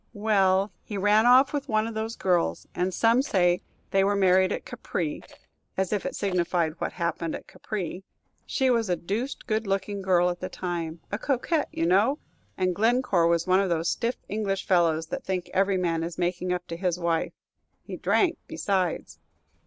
"Well, he ran off with one of those girls, and some say they were married at Capri, as if it signified what happened at Capri! She was a deuced good looking girl at the time, a coquette, you know, and Glencore was one of those stiff English fellows that think every man is making up to his wife; he drank besides."